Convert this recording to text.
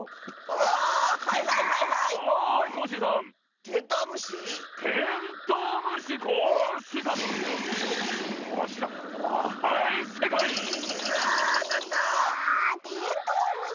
あテントウムシかあ。